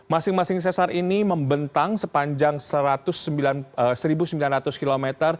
masing masing sesar ini membentang sepanjang satu sembilan ratus km